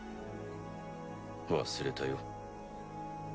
忘れたよ。